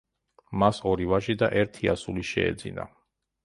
მას ორი ვაჟი და ერთი ასული შეეძინა.